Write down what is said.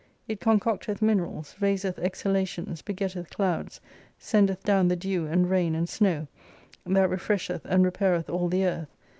It concocteth minerals, raiseth exhalations, be getteth clouds, scndeth down the dew and rain and snow, that refresheth and repaireth all the earth.